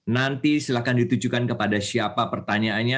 nanti silahkan ditujukan kepada siapa pertanyaannya